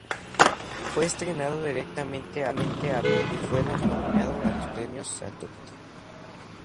Fue estrenado directamente a vídeo y fue nominado a los Premios Saturn.